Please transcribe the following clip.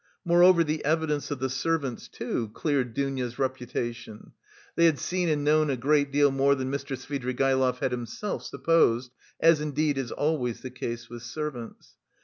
Moreover, the evidence of the servants, too, cleared Dounia's reputation; they had seen and known a great deal more than Mr. Svidrigaïlov had himself supposed as indeed is always the case with servants.